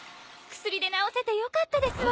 薬で治せてよかったですわ。